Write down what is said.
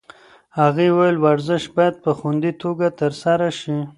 هغې وویل ورزش باید په خوندي توګه ترسره شي.